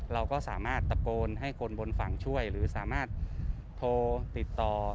เราก็สามารถตะโกนให้คนบนฝั่งช่วยหรือสามารถโทรติดต่อ